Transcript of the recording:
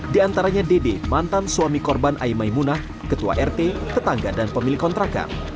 di antaranya dede mantan suami korban aimai munah ketua rt tetangga dan pemilik kontrakan